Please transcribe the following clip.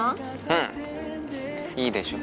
うんいいでしょ